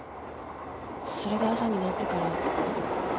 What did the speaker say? それで朝になってから。